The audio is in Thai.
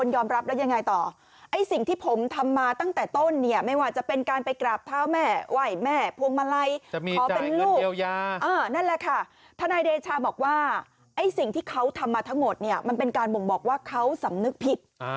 ว่าไอ้สิ่งที่เขาทำมาทั้งหมดเนี่ยมันเป็นการบ่งบอกว่าเขาสำนึกผิด